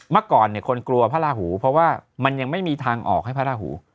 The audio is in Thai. เมื่อก่อนเนี่ยคนกลัวพระราหูเพราะว่ามันยังไม่มีทางออกให้พระราหู